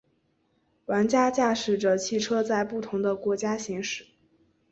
玩家驾驶着汽车在不同的国家行驶。